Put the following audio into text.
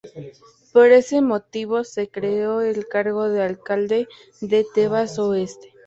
Por ese motivo se creó el cargo de Alcalde de Tebas Oeste.